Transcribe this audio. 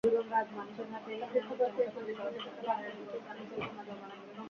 তাকে খাবার খেয়ে তৈরি হয়ে সকাল আটটার মধ্যে স্কুলে পৌঁছাতে হয়।